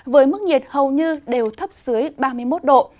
với mức nhiệt hầu như đều thấp dưới ba mươi một độ